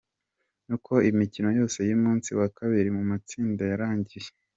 Uko imikino yose y’umunsi wa kabiri mu matsinda yarangiye:.